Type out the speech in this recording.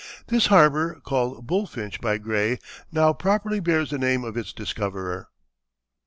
This harbor, called Bulfinch by Gray, now properly bears the name of its discoverer.